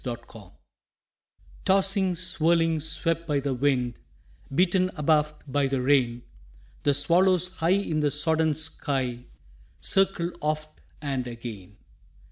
STORM TWILIGHT Tossing, swirling, swept by the wind, Beaten abaft by the rain, The swallows high in the sodden sky Circle oft and again.